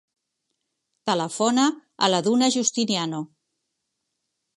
Telefona a la Duna Justiniano.